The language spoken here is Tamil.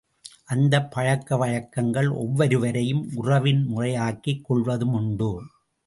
அந்தப் பழக்க வழக்கங்கள் ஒவ்வொருவரையும் உறவின் முறையாக்கிக் கொள்வதுமுண்டு.